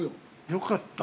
◆よかった。